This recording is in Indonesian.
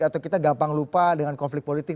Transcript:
atau kita gampang lupa dengan konflik politik